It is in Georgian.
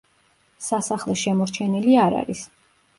სასახლე შემორჩენილი არ არის.